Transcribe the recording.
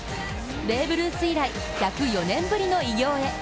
ベーブ・ルース以来、１０４年ぶりの偉業へ。